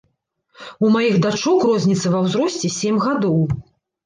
У маіх дачок розніца ва ўзросце сем гадоў.